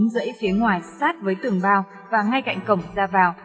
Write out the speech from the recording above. dãy phía ngoài sát với tường bao và ngay cạnh cổng ra vào